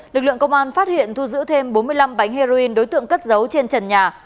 lực lượng công an phát hiện thu giữ thêm bốn mươi năm bánh heroin đối tượng cất dấu trên trần nhà